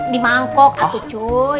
di mangkok aku cuy